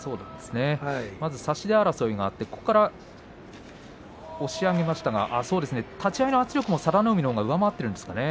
まず差し手争いがあって押し上げましたけれども立ち合いの圧力も佐田の海のほうが上回っているんですかね。